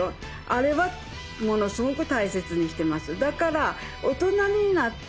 あれはものすごく大切にしてます。